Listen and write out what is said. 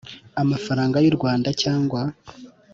mafaranga y u Rwanda cyangwa